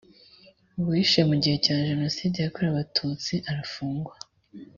uwishe mu gihe cya jenoside yakorewe abatutsi arafungwa.